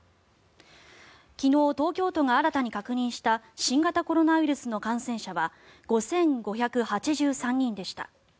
昨日、東京都が新たに確認した新型コロナウイルスの感染者は５５８３人でした。